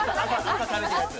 朝食べてるやつ。